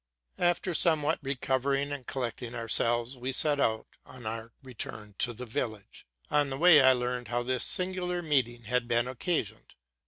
After having somewhat recovered and collected ourselves, we set out on our return to the village. On the way I learned how this singular meeting had been occasioned.